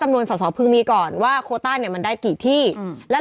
อ่าอ่าอ่าอ่าอ่าอ่า